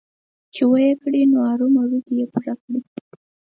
چې ويې کړي نو ارومرو دې يې پوره کړي.